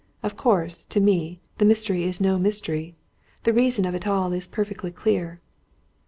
Of course, to me, the mystery is no mystery. The reason of it all is perfectly clear."